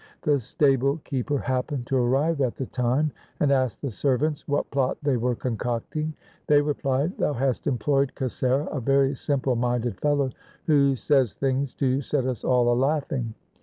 The stable keeper happened to arrive at the time, and asked the ser vants what plot they were concocting. They replied, ' Thou hast employed Kasera, a very simple minded fellow, who says things to set us all a laughing.